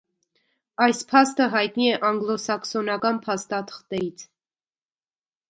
Այս փաստը հայտնի է անգլոսաքսոնական փաստաթղթերից։